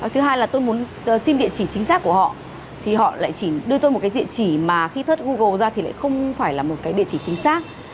thứ hai là tôi muốn xin địa chỉ chính xác của họ thì họ lại chỉ đưa tôi một cái địa chỉ mà khi thớt google ra thì lại không phải là một cái địa chỉ chính xác